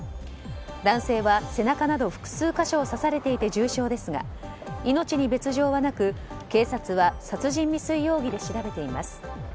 男性は背中など複数箇所を刺されていて重傷ですが命に別条はなく、警察は殺人未遂容疑で調べています。